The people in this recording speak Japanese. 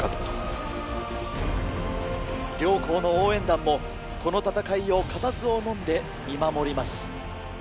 両校の応援団もこの戦いを固唾をのんで見守ります。